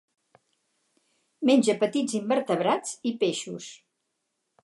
Menja petits invertebrats i peixos.